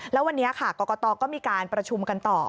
แล้ววันนี้ค่ะกรกตก็มีการประชุมกันต่อ